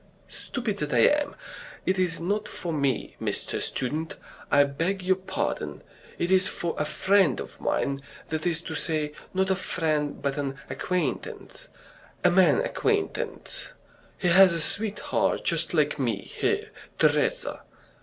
"Stupid that I am! It is not for me, Mr. Student, I beg your pardon. It is for a friend of mine, that is to say, not a friend but an acquaintance a man acquaintance. He has a sweetheart just like me here, Teresa.